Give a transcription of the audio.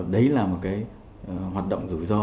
đấy là một cái hoạt động rủi ro